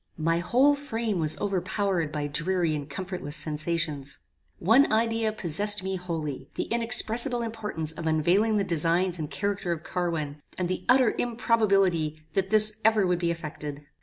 My whole frame was overpowered by dreary and comfortless sensations. One idea possessed me wholly; the inexpressible importance of unveiling the designs and character of Carwin, and the utter improbability that this ever would be effected.